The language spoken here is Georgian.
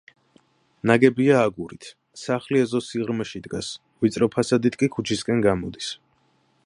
ნაგებია აგურით, სახლი ეზოს სიღრმეში დგას, ვიწრო ფასადით კი ქუჩისკენ გამოდის.